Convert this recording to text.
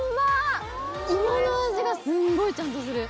芋の味がすんごいちゃんとする。